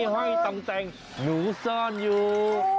ห้อยต่องแต่งหนูซ่อนอยู่